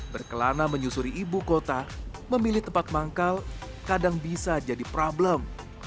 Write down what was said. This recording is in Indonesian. berkelana menyusuri ibu kota memilih tempat manggal kadang bisa jadi problem